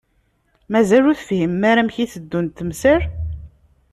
Mazal ur tefhimem ara amek i teddunt temsal.